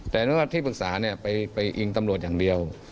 แต่ที่ปรึกษาเนี่ยไปอิงตำรวจอย่างเดียว